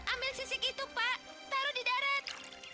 ambil sisik itu pak taruh di darat